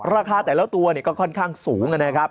ราคาแต่ละตัวก็ค่อนข้างสูงนะครับ